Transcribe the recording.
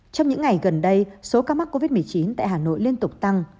trong những ngày gần đây số ca mắc covid một mươi chín tại hà nội liên tục tăng